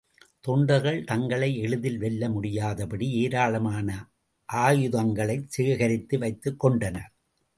தொண்டர்கள் தங்களை எளிதில் வெல்ல முடியாதபடி ஏராளமான ஆயுதங்களைச் சேகரித்து வைத்துக் கொண்டனர்.